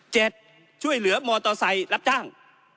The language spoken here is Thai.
เจ็ดช่วยเหลือมอเตอร์ไซรับจ้าง